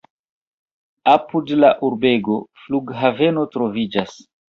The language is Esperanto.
Apud la urbego flughaveno troviĝas.